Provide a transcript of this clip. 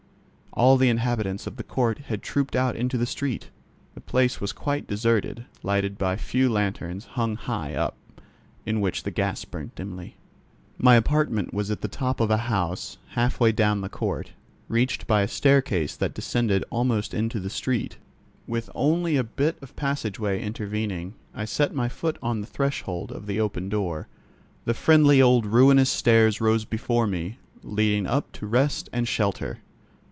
All the inhabitants of the court had trooped out into the street. The place was quite deserted, lighted by a few lanterns hung high up, in which the gas burned dimly. My apartment was at the top of a house, halfway down the court, reached by a staircase that descended almost into the street, with only a bit of passage way intervening, I set my foot on the threshold of the open door, the friendly old ruinous stairs rose before me, leading up to rest and shelter.